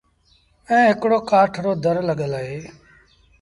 ائيٚݩ هڪڙو ڪآٺ رو در لڳل اهي۔